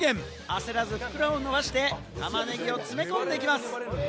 焦らず袋を伸ばして、タマネギを詰め込んで行きます。